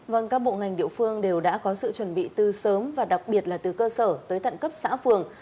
vâng các bộ ngành địa phương đều đã có sự chuẩn bị từ sớm và đặc biệt là từ cơ sở tới tận cấp xã phường